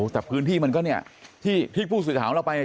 แต่พื้นที่มันก็เนี่ยที่ผู้สื่อข่าวของเราไป